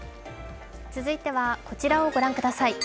続いてはこちらを御覧ください。